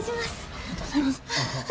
ありがとうございます。